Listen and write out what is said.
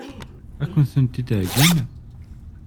Ad k-tent-id-heggin?